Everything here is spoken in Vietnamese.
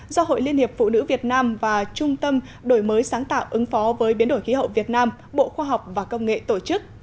do hội liên hiệp phụ nữ việt nam và trung tâm đổi mới sáng tạo ứng phó với biến đổi khí hậu việt nam bộ khoa học và công nghệ tổ chức